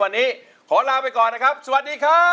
วันนี้ขอลาไปก่อนนะครับสวัสดีครับ